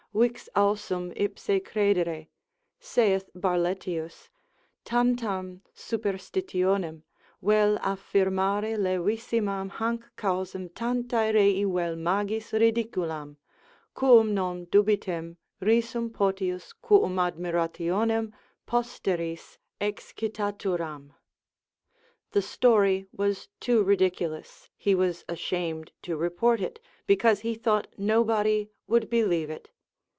Vix ausum ipse credere (saith Barletius) tantam superstitionem, vel affirmare levissimam hanc causam tantae rei vel magis ridiculam, quum non dubitem risum potius quum admirationem posteris excitaturam. The story was too ridiculous, he was ashamed to report it, because he thought nobody would believe it.